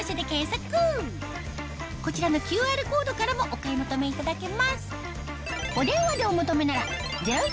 こちらのＱＲコードからもお買い求めいただけます